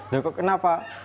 loh kok kenapa